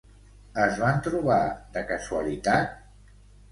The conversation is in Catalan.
Es van trobar de casualitat?